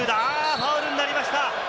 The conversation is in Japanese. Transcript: ファウルになりました。